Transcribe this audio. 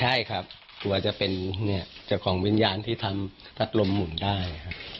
ใช่ครับกลัวจะเป็นเจ้าของวิญญาณที่ทำพัดลมหมุนได้ครับ